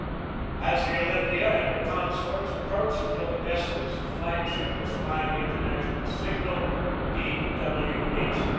As the Olympia and her consorts approached the other vessels the flag ship was flying the international signal "D. W. H.